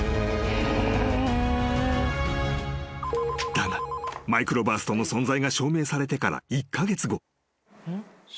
［だがマイクロバーストの存在が証明されてから１カ月後］